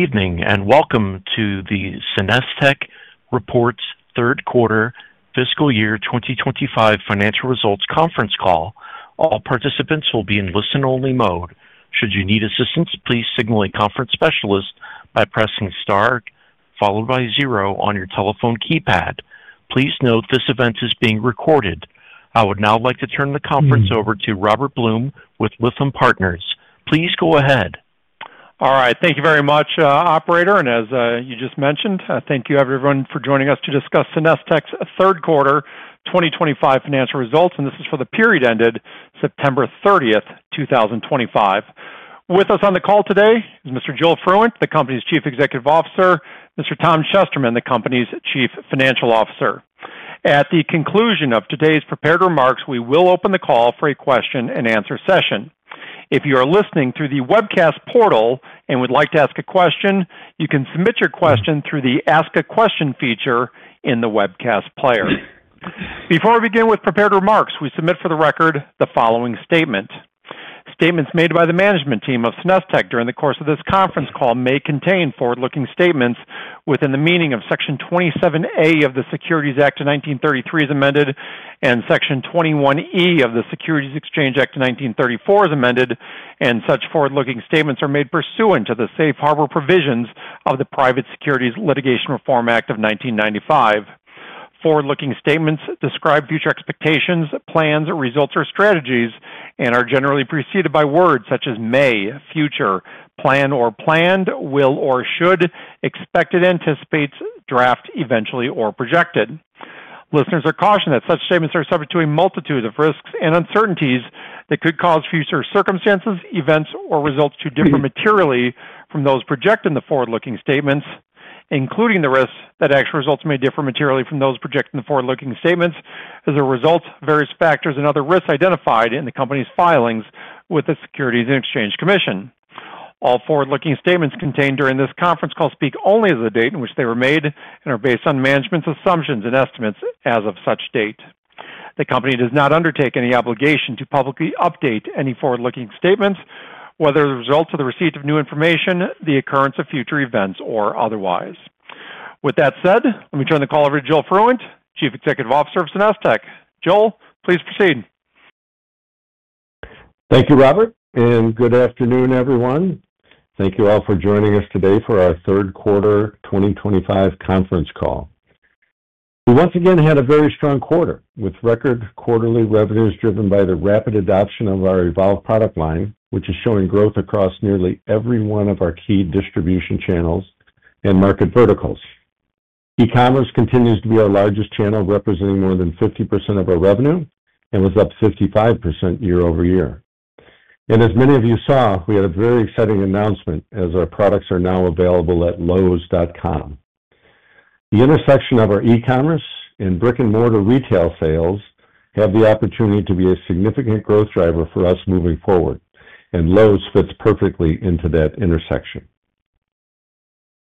Evening and welcome to the SenesTech Reports Third Quarter Fiscal Year 2025 Financial Results Conference Call. All participants will be in listen-only mode. Should you need assistance, please signal a conference specialist by pressing star followed by zero on your telephone keypad. Please note this event is being recorded. I would now like to turn the conference over to Robert Blum with Lytham Partners. Please go ahead. All right. Thank you very much, Operator. And as you just mentioned, thank you, everyone, for joining us to discuss SenesTech's Third Quarter 2025 Financial Results. And this is for the period ended September 30th, 2025. With us on the call today is Mr. Joel Fruendt, the company's Chief Executive Officer, Mr. Tom Chesterman, the company's Chief Financial Officer. At the conclusion of today's prepared remarks, we will open the call for a question-and-answer session. If you are listening through the webcast portal and would like to ask a question, you can submit your question through the Ask a Question feature in the webcast player. Before we begin with prepared remarks, we submit for the record the following statement. Statements made by the management team of SenesTech during the course of this conference call may contain forward-looking statements within the meaning of Section 27A of the Securities Act of 1933 as amended, and Section 21E of the Securities Exchange Act of 1934 as amended. Such forward-looking statements are made pursuant to the Safe Harbor Provisions of the Private Securities Litigation Reform Act of 1995. Forward-looking statements describe future expectations, plans, results, or strategies, and are generally preceded by words such as may, future, plan or planned, will or should, expected, anticipates, draft, eventually, or projected. Listeners are cautioned that such statements are subject to a multitude of risks and uncertainties that could cause future circumstances, events, or results to differ materially from those projected in the forward-looking statements, including the risks that actual results may differ materially from those projected in the forward-looking statements as a result of various factors and other risks identified in the company's filings with the Securities and Exchange Commission. All forward-looking statements contained during this conference call speak only as the date in which they were made and are based on management's assumptions and estimates as of such date. The company does not undertake any obligation to publicly update any forward-looking statements, whether as a result of the receipt of new information, the occurrence of future events, or otherwise. With that said, let me turn the call over to Joel Fruendt, Chief Executive Officer of SenesTech. Joel, please proceed. Thank you, Robert, and good afternoon, everyone. Thank you all for joining us today for our Third Quarter 2025 Conference Call. We once again had a very strong quarter with record quarterly revenues driven by the rapid adoption of our evolved product line, which is showing growth across nearly every one of our key distribution channels and market verticals. E-commerce continues to be our largest channel, representing more than 50% of our revenue and was up 55% year over year. And as many of you saw, we had a very exciting announcement as our products are now available at lowes.com. The intersection of our e-commerce and brick-and-mortar retail sales has the opportunity to be a significant growth driver for us moving forward, and Lowe's fits perfectly into that intersection.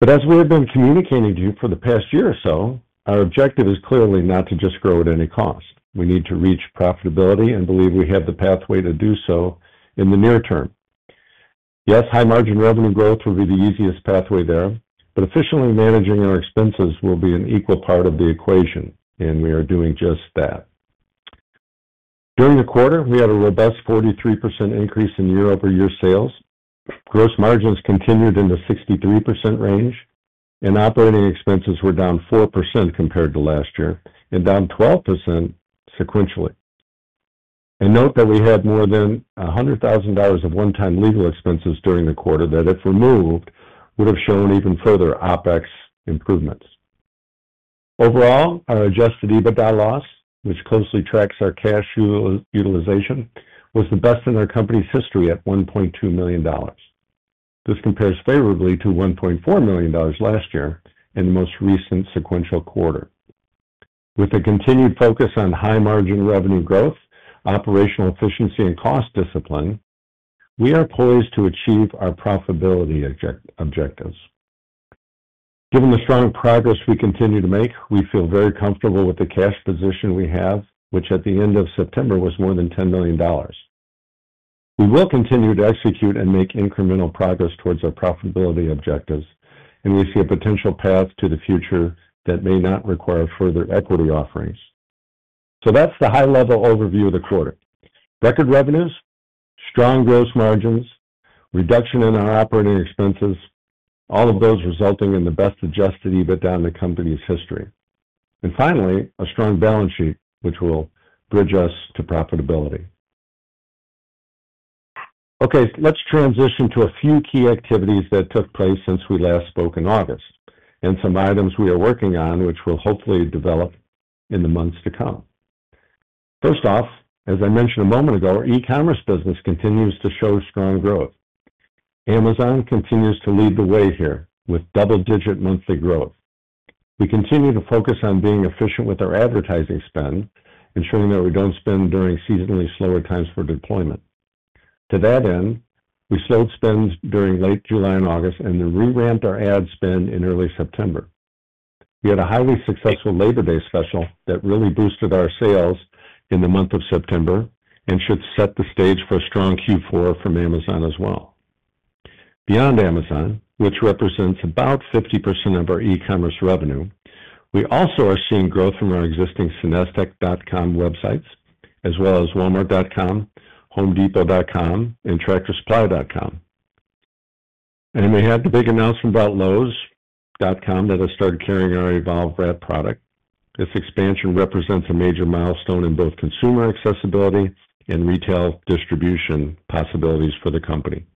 But as we have been communicating to you for the past year or so, our objective is clearly not to just grow at any cost. We need to reach profitability and believe we have the pathway to do so in the near term. Yes, high-margin revenue growth will be the easiest pathway there, but efficiently managing our expenses will be an equal part of the equation, and we are doing just that. During the quarter, we had a robust 43% increase in year-over-year sales. Gross margins continued in the 63% range, and operating expenses were down 4% compared to last year and down 12% sequentially. And note that we had more than $100,000 of one-time legal expenses during the quarter that, if removed, would have shown even further OpEx improvements. Overall, our adjusted EBITDA loss, which closely tracks our cash utilization, was the best in our company's history at $1.2 million. This compares favorably to $1.4 million last year in the most recent sequential quarter. With a continued focus on high-margin revenue growth, operational efficiency, and cost discipline, we are poised to achieve our profitability objectives. Given the strong progress we continue to make, we feel very comfortable with the cash position we have, which at the end of September was more than $10 million. We will continue to execute and make incremental progress towards our profitability objectives, and we see a potential path to the future that may not require further equity offerings. That's the high-level overview of the quarter: record revenues, strong gross margins, reduction in our operating expenses, all of those resulting in the best adjusted EBITDA in the company's history. And finally, a strong balance sheet, which will bridge us to profitability. Okay, let's transition to a few key activities that took place since we last spoke in August and some items we are working on, which we'll hopefully develop in the months to come. First off, as I mentioned a moment ago, our e-commerce business continues to show strong growth. Amazon continues to lead the way here with double-digit monthly growth. We continue to focus on being efficient with our advertising spend, ensuring that we don't spend during seasonally slower times for deployment. To that end, we slowed spends during late July and August and then re-ranked our ad spend in early September. We had a highly successful Labor Day special that really boosted our sales in the month of September and should set the stage for a strong Q4 from Amazon as well. Beyond Amazon, which represents about 50% of our e-commerce revenue, we also are seeing growth from our existing senestech.com websites, as well as walmart.com, homedepot.com, and tractorsupply.com. We had the big announcement about lowes.com that has started carrying our Evolve Rat product. This expansion represents a major milestone in both consumer accessibility and retail distribution possibilities for the company.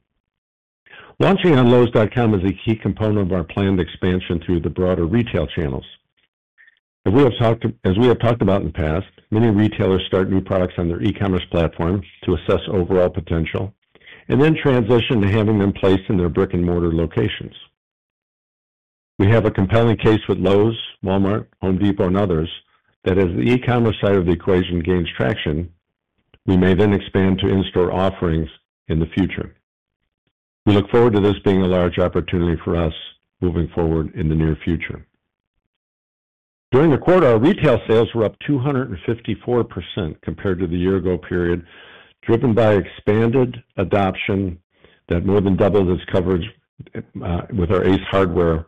Launching on lowes.com is a key component of our planned expansion through the broader retail channels. As we have talked about in the past, many retailers start new products on their e-commerce platforms to assess overall potential and then transition to having them placed in their brick-and-mortar locations. We have a compelling case with Lowe's, Walmart, Home Depot, and others that, as the e-commerce side of the equation gains traction, we may then expand to in-store offerings in the future. We look forward to this being a large opportunity for us moving forward in the near future. During the quarter, our retail sales were up 254% compared to the year-ago period, driven by expanded adoption that more than doubled its coverage with our Ace Hardware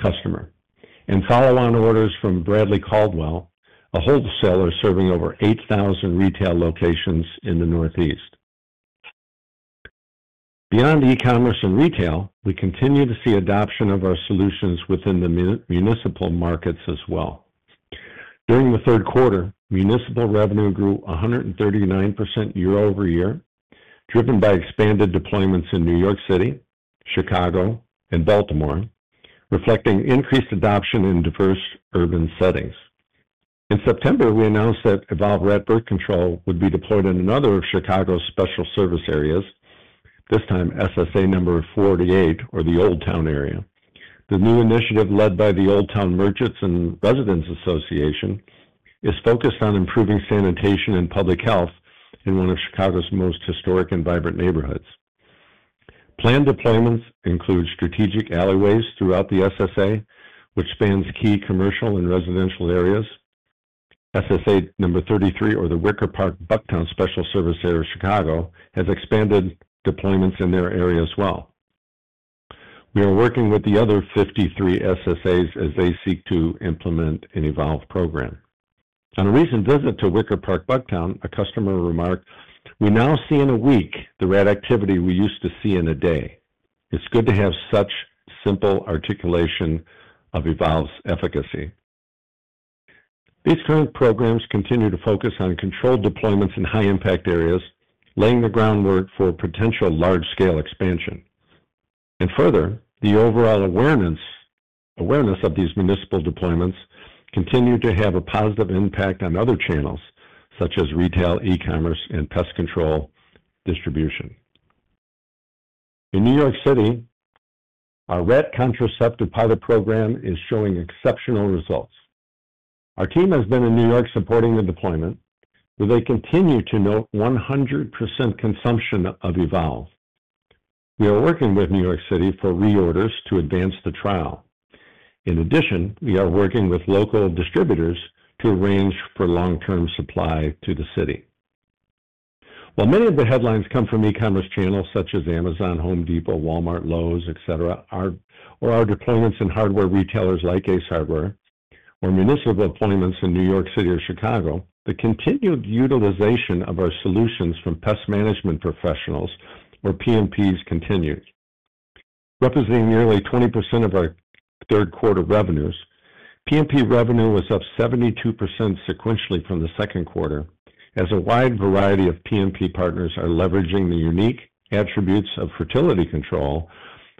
customer. And follow-on orders from Bradley Caldwell, a wholesaler serving over 8,000 retail locations in the Northeast. Beyond e-commerce and retail, we continue to see adoption of our solutions within the municipal markets as well. During the third quarter, municipal revenue grew 139% year-over-year, driven by expanded deployments in New York City, Chicago, and Baltimore, reflecting increased adoption in diverse urban settings. In September, we announced that Evolved Rat Birth control would be deployed in another of Chicago's special service areas, this time SSA number 48, or the Old Town area. The new initiative led by the Old Town Merchants & Residents Association is focused on improving sanitation and public health in one of Chicago's most historic and vibrant neighborhoods. Planned deployments include strategic alleyways throughout the SSA, which spans key commercial and residential areas. SSA number 33, or the Wicker Park Bucktown Special Service Area of Chicago, has expanded deployments in their area as well. We are working with the other 53 SSAs as they seek to implement an evolved program. On a recent visit to Wicker Park Bucktown, a customer remarked, "We now see in a week the rat activity we used to see in a day. It's good to have such simple articulation of evolved's efficacy." These current programs continue to focus on controlled deployments in high-impact areas, laying the groundwork for potential large-scale expansion. And further, the overall awareness of these municipal deployments continues to have a positive impact on other channels, such as retail, e-commerce, and pest control distribution. In New York City, our rat contraceptive pilot program is showing exceptional results. Our team has been in New York supporting the deployment, where they continue to note 100% consumption of Evolve. We are working with New York City for reorders to advance the trial. In addition, we are working with local distributors to arrange for long-term supply to the city. While many of the headlines come from e-commerce channels such as Amazon, Home Depot, Walmart, Lowe's, etc., or our deployments in hardware retailers like Ace Hardware, or municipal deployments in New York City or Chicago, the continued utilization of our solutions from pest management professionals, or PMPs, continues. Representing nearly 20% of our third quarter revenues, PMP revenue was up 72% sequentially from the second quarter, as a wide variety of PMP partners are leveraging the unique attributes of fertility control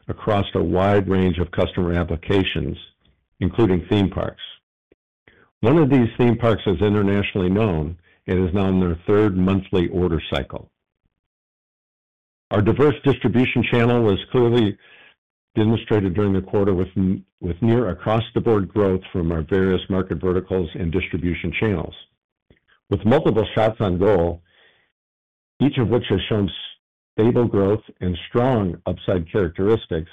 across a wide range of customer applications, including theme parks. One of these theme parks is internationally known and is now in their third monthly order cycle. Our diverse distribution channel was clearly demonstrated during the quarter with near across-the-board growth from our various market verticals and distribution channels. With multiple shots on goal, each of which has shown stable growth and strong upside characteristics,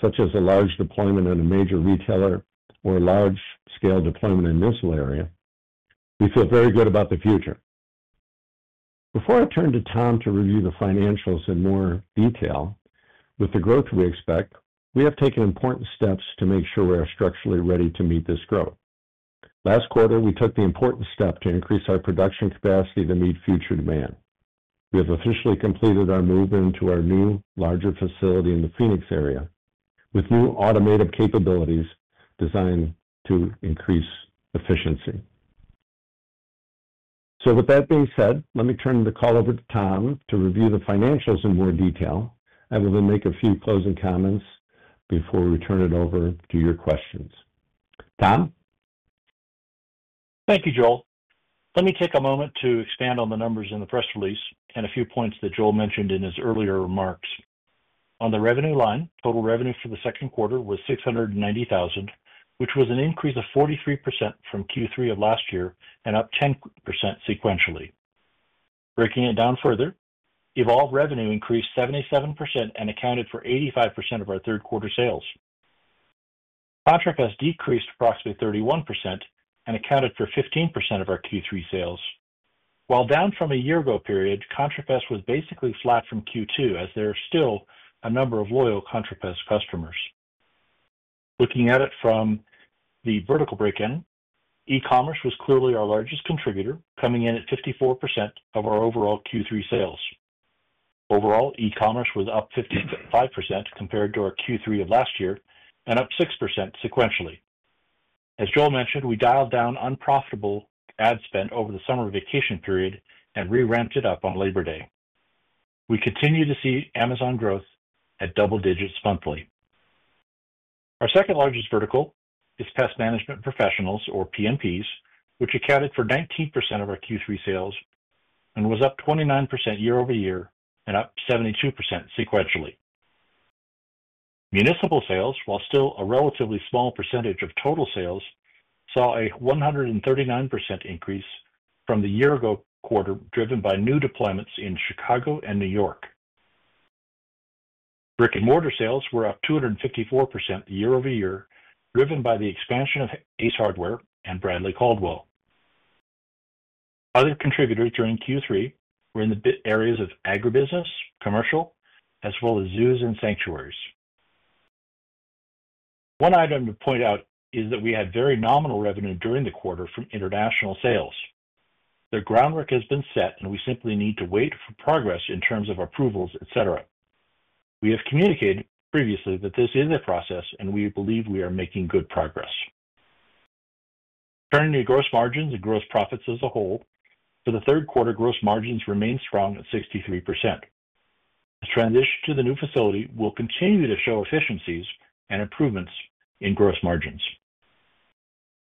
such as a large deployment in a major retailer or a large-scale deployment in a municipal area, we feel very good about the future. Before I turn to Tom to review the financials in more detail, with the growth we expect, we have taken important steps to make sure we are structurally ready to meet this growth. Last quarter, we took the important step to increase our production capacity to meet future demand. We have officially completed our move into our new, larger facility in the Phoenix area with new automated capabilities designed to increase efficiency. So with that being said, let me turn the call over to Tom to review the financials in more detail. I will then make a few closing comments before we turn it over to your questions. Tom? Thank you, Joel. Let me take a moment to expand on the numbers in the press release and a few points that Joel mentioned in his earlier remarks. On the revenue line, total revenue for the second quarter was 690,000, which was an increase of 43% from Q3 of last year and up 10% sequentially. Breaking it down further, evolved revenue increased 77% and accounted for 85% of our third quarter sales. ContraPest decreased approximately 31% and accounted for 15% of our Q3 sales. While down from a year-ago period, ContraPest was basically flat from Q2, as there are still a number of loyal ContraPest customers. Looking at it from the vertical break-in, e-commerce was clearly our largest contributor, coming in at 54% of our overall Q3 sales. Overall, e-commerce was up 55% compared to our Q3 of last year and up 6% sequentially. As Joel mentioned, we dialed down unprofitable ad spend over the summer vacation period and re-ranked it up on Labor Day. We continue to see Amazon growth at double digits monthly. Our second largest vertical is pest management professionals, or PMPs, which accounted for 19% of our Q3 sales and was up 29% year-over-year and up 72% sequentially. Municipal sales, while still a relatively small percentage of total sales, saw a 139% increase from the year-ago quarter, driven by new deployments in Chicago and New York. Brick-and-mortar sales were up 254% year-over-year, driven by the expansion of Ace Hardware and Bradley Caldwell. Other contributors during Q3 were in the areas of agribusiness, commercial, as well as zoos and sanctuaries. One item to point out is that we had very nominal revenue during the quarter from international sales. The groundwork has been set, and we simply need to wait for progress in terms of approvals, etc. We have communicated previously that this is a process, and we believe we are making good progress. Turning to gross margins and gross profits as a whole, for the third quarter, gross margins remained strong at 63%. The transition to the new facility will continue to show efficiencies and improvements in gross margins.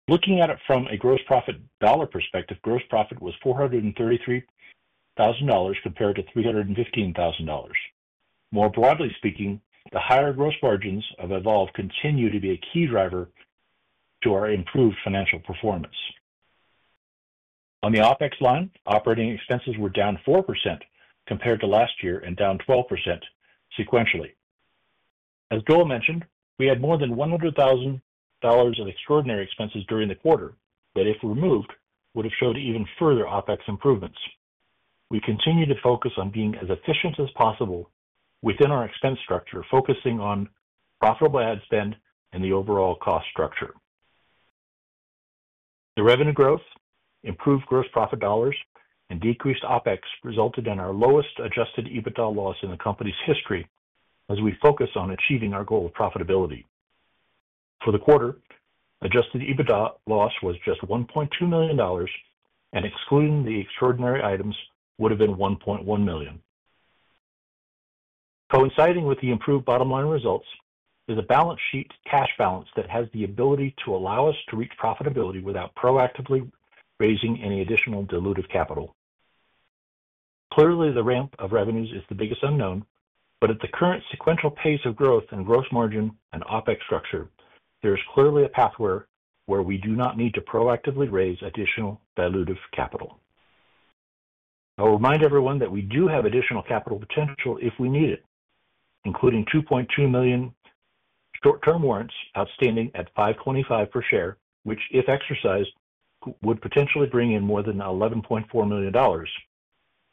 Looking at it from a gross profit dollar perspective, gross profit was $433,000 compared to $315,000. More broadly speaking, the higher gross margins of evolved continue to be a key driver to our improved financial performance. On the OpEx line, operating expenses were down 4% compared to last year and down 12% sequentially. As Joel mentioned, we had more than $100,000 of extraordinary expenses during the quarter that, if removed, would have showed even further OpEx improvements. We continue to focus on being as efficient as possible within our expense structure, focusing on profitable ad spend and the overall cost structure. The revenue growth, improved gross profit dollars, and decreased OpEx resulted in our lowest adjusted EBITDA loss in the company's history as we focus on achieving our goal of profitability. For the quarter, adjusted EBITDA loss was just $1.2 million, and excluding the extraordinary items would have been $1.1 million. Coinciding with the improved bottom-line results is a balance sheet cash balance that has the ability to allow us to reach profitability without proactively raising any additional diluted capital. Clearly, the ramp of revenues is the biggest unknown, but at the current sequential pace of growth and gross margin and OpEx structure, there is clearly a path where we do not need to proactively raise additional diluted capital. I'll remind everyone that we do have additional capital potential if we need it, including 2.2 million short-term warrants outstanding at 525 per share, which, if exercised, would potentially bring in more than $11.4 million.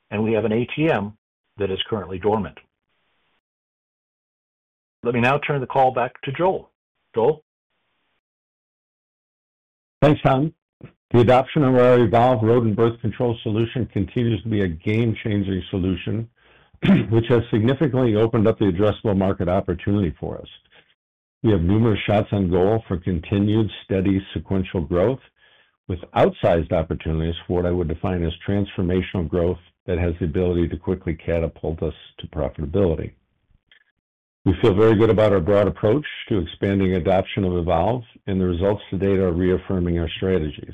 And we have an ATM that is currently dormant. Let me now turn the call back to Joel. Joel? Thanks, Tom. The adoption of our Evolved rodent birth control solution continues to be a game-changing solution, which has significantly opened up the addressable market opportunity for us. We have numerous shots on goal for continued, steady, sequential growth with outsized opportunities for what I would define as transformational growth that has the ability to quickly catapult us to profitability. We feel very good about our broad approach to expanding adoption of evolved, and the results to date are reaffirming our strategies.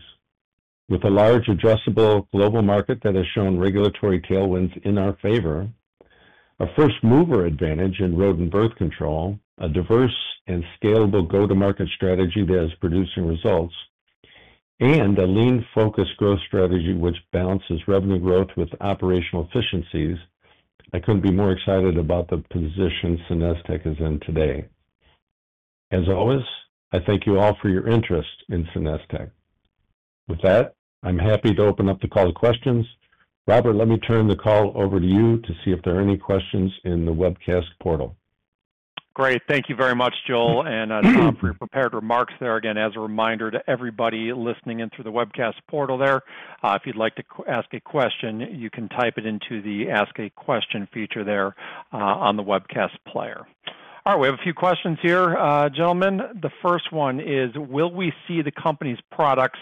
With a large addressable global market that has shown regulatory tailwinds in our favor, a first-mover advantage in rodent birth control, a diverse and scalable go-to-market strategy that is producing results, and a lean-focused growth strategy which balances revenue growth with operational efficiencies, I couldn't be more excited about the position SenesTech is in today. As always, I thank you all for your interest in SenesTech. With that, I'm happy to open up the call to questions. Robert, let me turn the call over to you to see if there are any questions in the webcast portal. Great. Thank you very much, Joel, and Tom, for your prepared remarks there. Again, as a reminder to everybody listening in through the webcast portal there, if you'd like to ask a question, you can type it into the Ask a Question feature there on the webcast player. All right, we have a few questions here, gentlemen. The first one is, will we see the company's products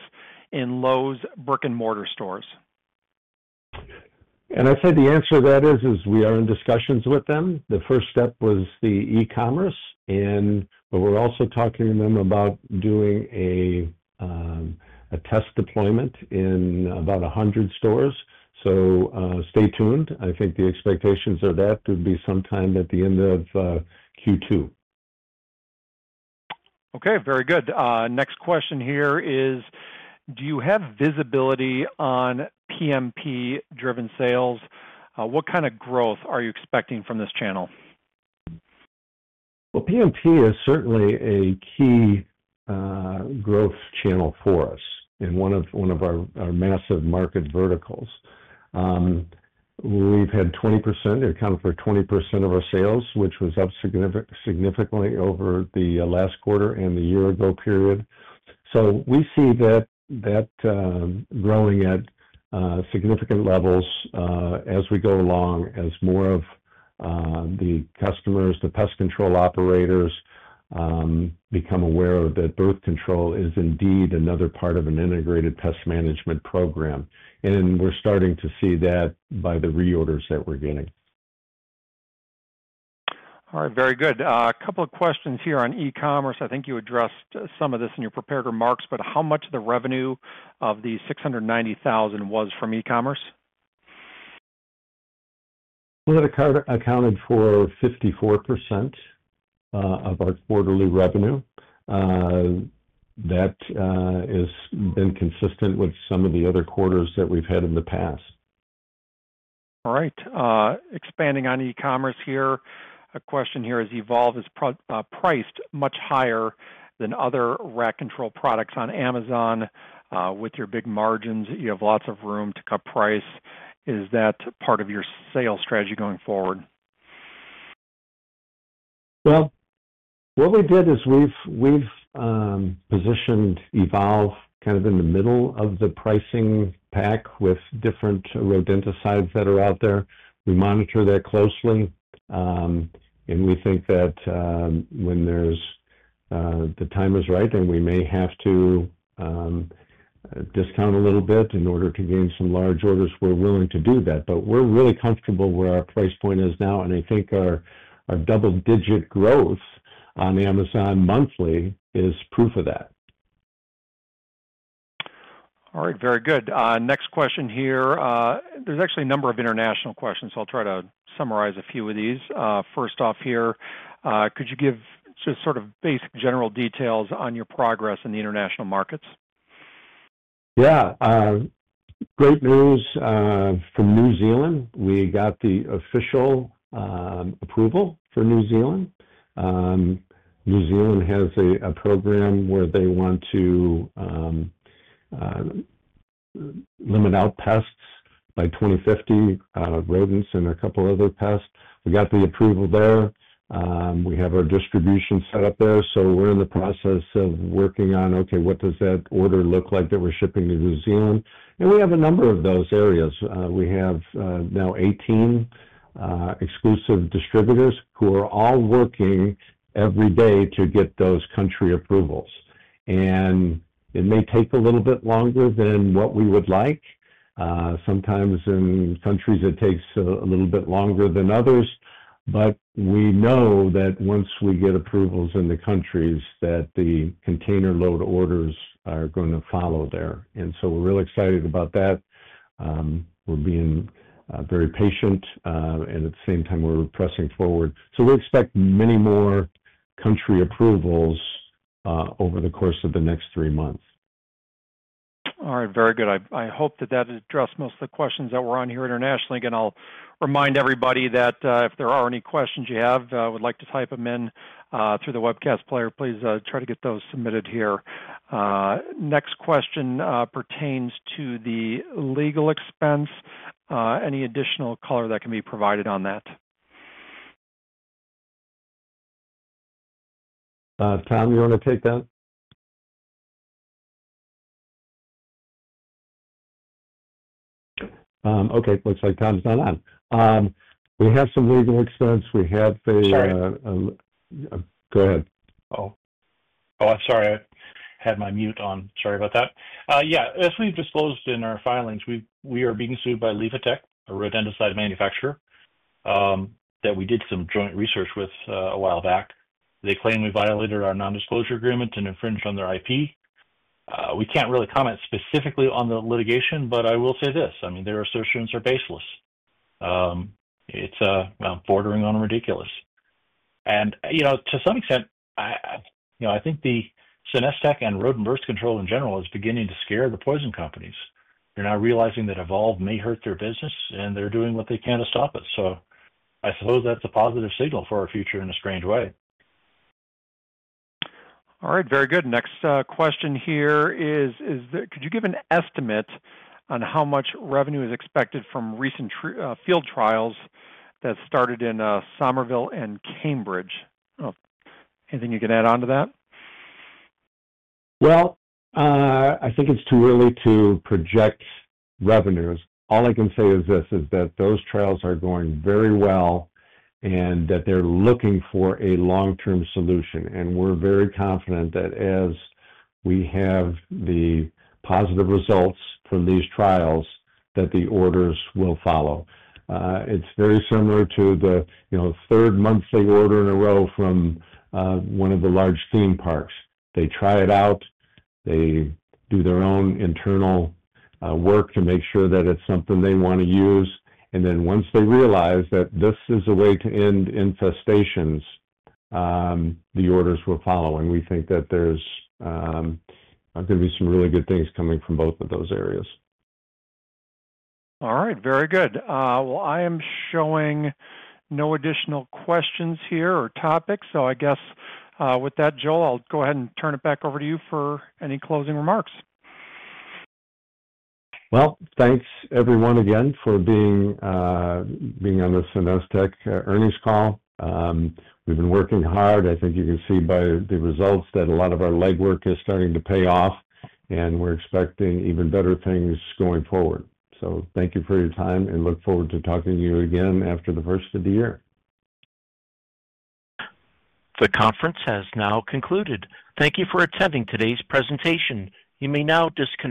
in Lowe's brick-and-mortar stores? And I'd say the answer to that is we are in discussions with them. The first step was the e-commerce, but we're also talking to them about doing a test deployment in about 100 stores. So stay tuned. I think the expectations are that there'd be some time at the end of Q2. Okay. Very good. Next question here is, do you have visibility on PMP-driven sales? What kind of growth are you expecting from this channel? Well, PMP is certainly a key growth channel for us and one of our massive market verticals. We've had 20% accounted for 20% of our sales, which was up significantly over the last quarter and the year-ago period. So we see that growing at significant levels as we go along, as more of the customers, the pest control operators become aware that birth control is indeed another part of an integrated pest management program. And we're starting to see that by the reorders that we're getting. All right. Very good. A couple of questions here on e-commerce. I think you addressed some of this in your prepared remarks, but how much of the revenue of the 690,000 was from e-commerce? Well, it accounted for 54% of our quarterly revenue. That has been consistent with some of the other quarters that we've had in the past. All right. Expanding on e-commerce here, a question here is, Evolve is priced much higher than other rat control products on Amazon. With your big margins, you have lots of room to cut price. Is that part of your sales strategy going forward? Well, what we did is we've positioned Evolve kind of in the middle of the pricing pack with different rodenticides that are out there. We monitor that closely, and we think that when the time is right, then we may have to discount a little bit in order to gain some large orders. We're willing to do that, but we're really comfortable where our price point is now, and I think our double-digit growth on Amazon monthly is proof of that. All right. Very good. Next question here. There's actually a number of international questions, so I'll try to summarize a few of these. First off here, could you give just sort of basic general details on your progress in the international markets? Yeah. Great news from New Zealand. We got the official approval for New Zealand. New Zealand has a program where they want to limit out pests by 2050, rodents and a couple of other pests. We got the approval there. We have our distribution set up there, so we're in the process of working on, okay, what does that order look like that we're shipping to New Zealand? And we have a number of those areas. We have now 18 exclusive distributors who are all working every day to get those country approvals. And it may take a little bit longer than what we would like. Sometimes in countries, it takes a little bit longer than others, but we know that once we get approvals in the countries, that the container load orders are going to follow there. And so we're really excited about that. We're being very patient, and at the same time, we're pressing forward. So we expect many more country approvals over the course of the next three months. All right. Very good. I hope that that addressed most of the questions that were on here internationally. Again, I'll remind everybody that if there are any questions you have, I would like to type them in through the webcast player. Please try to get those submitted here. Next question pertains to the legal expense. Any additional color that can be provided on that? Tom, you want to take that? Okay. Looks like Tom's not on. We have some legal expense. We have the— Sorry. Go ahead. Oh, I'm sorry. I had my mute on. Sorry about that. Yeah. As we've disclosed in our filings, we are being sued by Levitech, a rodenticide manufacturer, that we did some joint research with a while back. They claim we violated our non-disclosure agreement and infringed on their IP. We can't really comment specifically on the litigation, but I will say this. I mean, their assertions are baseless. It's bordering on ridiculous. And to some extent, I think the SenesTech and rodent birth control in general is beginning to scare the poison companies. They're now realizing that Evolve may hurt their business, and they're doing what they can to stop it. So I suppose that's a positive signal for our future in a strange way. All right. Very good. Next question here is, could you give an estimate on how much revenue is expected from recent field trials that started in Somerville and Cambridge? Anything you can add on to that? I think it's too early to project revenues. All I can say is this: those trials are going very well and that they're looking for a long-term solution. We're very confident that as we have the positive results from these trials, the orders will follow. It's very similar to the third monthly order in a row from one of the large theme parks. They try it out. They do their own internal work to make sure that it's something they want to use. Once they realize that this is a way to end infestations, the orders will follow. We think that there's going to be some really good things coming from both of those areas. All right. Very good. Well, I am showing no additional questions here or topics. So I guess with that, Joel, I'll go ahead and turn it back over to you for any closing remarks. Well, thanks, everyone, again, for being on the SenesTech earnings call. We've been working hard. I think you can see by the results that a lot of our legwork is starting to pay off, and we're expecting even better things going forward. So thank you for your time, and look forward to talking to you again after the first of the year. The conference has now concluded. Thank you for attending today's presentation. You may now disconnect.